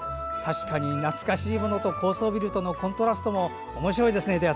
確かに、懐かしいものと高層ビルとのコントラストもおもしろいですね。